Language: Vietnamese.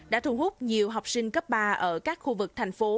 đã thu hút nhiều học sinh cấp ba ở các khu vực thành phố